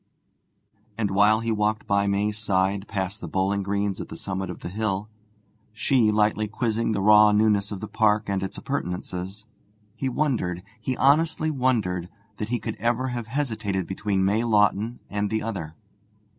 And while he walked by May's side past the bowling greens at the summit of the hill, she lightly quizzing the raw newness of the park and its appurtenances, he wondered, he honestly wondered, that he could ever have hesitated between May Lawton and the other.